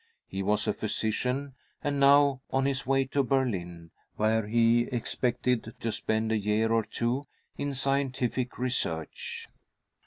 He was a physician, and now on his way to Berlin, where he expected to spend a year or two in scientific research.